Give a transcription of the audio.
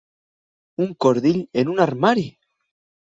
Un cordill en un armari!